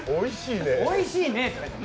おいしいね。